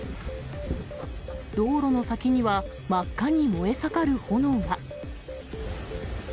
道路の先には、真っ赤に燃え盛る炎が。